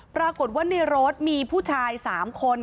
ปรากฏว่าในรถมีผู้ชาย๓คน